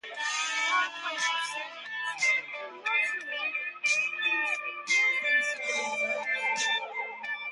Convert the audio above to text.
The parkway proceeds in a mostly east-northeasterly direction.